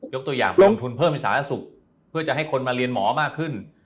ตัวอย่างลงทุนเพิ่มให้สาธารณสุขเพื่อจะให้คนมาเรียนหมอมากขึ้น